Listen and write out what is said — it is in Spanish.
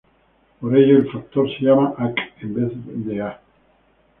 Por ello, el factor se llama "Aq" en vez de "A".